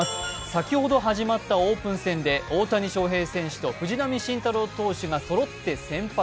先ほど始まったオープン戦で大谷翔平選手と藤浪晋太郎投手がそろって先発。